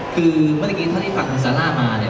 คือเมื่อกี้เท่าที่ฟังคุณซาร่ามาเนี่ย